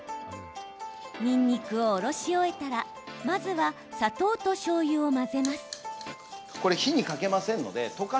にんにくをおろし終えたらまずは砂糖としょうゆを混ぜます。